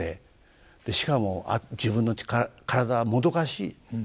しかも自分の体はもどかしい。